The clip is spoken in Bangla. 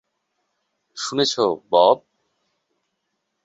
শুনেছ, বব?